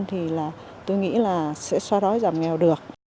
thì tôi nghĩ là sẽ so rối giảm nghèo được